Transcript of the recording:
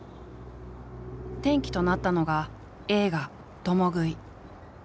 転機となったのが映画「共喰い」。